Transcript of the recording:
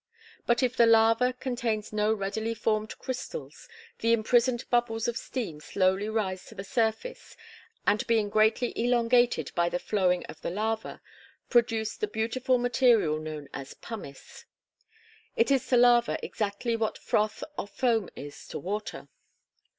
But if the lava contains no readily formed crystals, the imprisoned bubbles of steam slowly rise to the surface, and being greatly elongated by the flowing of the lava, produce the beautiful material known as "pumice." It is to lava exactly what froth or foam is to water.